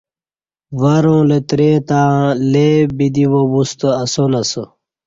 ورں لتری تں لے بدی وا بُستہ اسان اسہ